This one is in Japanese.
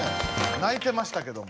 ないてましたけども。